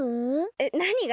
えっなにが？